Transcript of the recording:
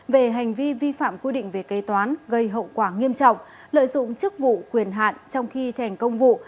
về hành vi vi phạm quy định về kế toán gây hậu quả nghiêm trọng lợi dụng chức vụ quyền hạn trong khi thành công vụ